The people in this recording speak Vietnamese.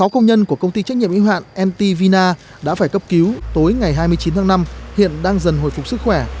sáu công nhân của công ty trách nhiệm yếu hạn nt vina đã phải cấp cứu tối ngày hai mươi chín tháng năm hiện đang dần hồi phục sức khỏe